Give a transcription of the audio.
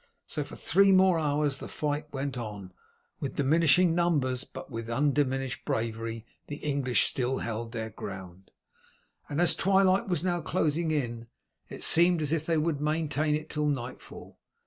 So for three more hours the fight went on; with diminishing numbers, but with undiminished bravery the English still held their ground, and as twilight was now closing in, it seemed as if they would maintain it till nightfall.